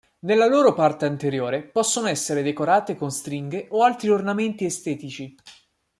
Nella loro parte anteriore possono essere decorate con stringhe o altri ornamenti estetici.